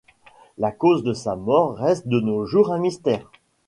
La cause de sa mort reste de nos jours un mystère.